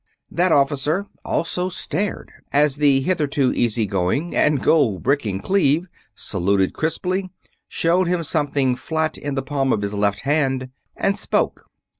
That officer also stared as the hitherto easy going and gold bricking Cleve saluted crisply, showed him something flat in the palm of his left hand, and spoke.